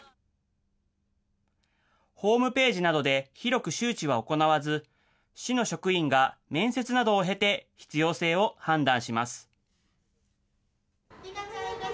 ホームページなどで広く周知は行わず、市の職員が面接などを経て必要性を判断します。